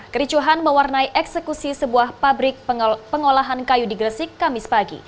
kericuhan mewarnai eksekusi sebuah pabrik pengolahan kayu di gresik kamis pagi